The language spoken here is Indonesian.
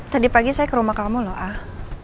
tadi pagi saya ke rumah kamu loh ah